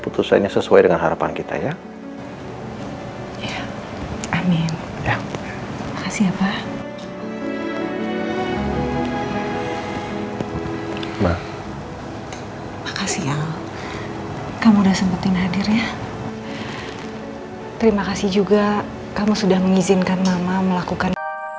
terima kasih juga kamu sudah mengizinkan mama melakukan